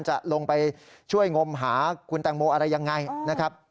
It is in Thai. จะลงไปช่วยงมหาคุณแตงโมอะไรยังไงนะครับ